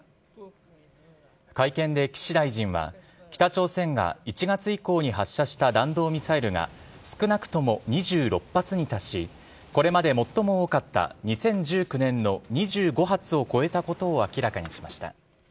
会見で岸大臣は、北朝鮮が１月以降に発射した弾道ミサイルが、少なくとも２６発に達し、これまで最も多かった２０１９年の２５発を超えたことを明らかにしました。